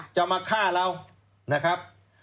จะมาฆ่าเรานะครับ